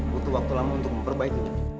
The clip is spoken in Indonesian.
butuh waktu lama untuk memperbaikinya